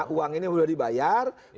uang ini sudah dibayar